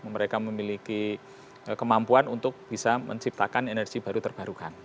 mereka memiliki kemampuan untuk bisa menciptakan energi baru terbarukan